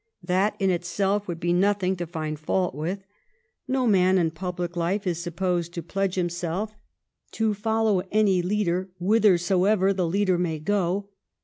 That in itself would be nothing to find fault with. No man in public life is supposed to pledge himself to follow 376 THE STORY OF GLADSTONE'S LIFE any leader whithersoever the leader may go.